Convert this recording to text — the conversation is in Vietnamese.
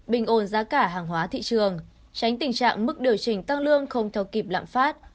bình ồn giá cả hàng hóa thị trường tránh tình trạng mức điều chỉnh tăng lương không theo kịp lạm phát